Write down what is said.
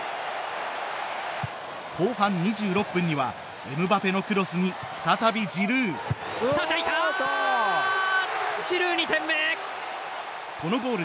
後半２６分にはエムバペのクロスに再びジルー！